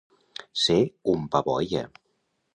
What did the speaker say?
Ser un baboia.